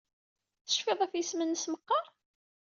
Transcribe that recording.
Tecfid ɣef yisem-nnes meqqar?